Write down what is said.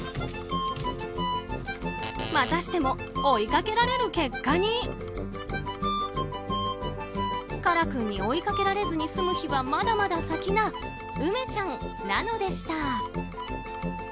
またしても追いかけられる結果に。から君に追いかけられずに済む日はまだまだ先なうめちゃんなのでした。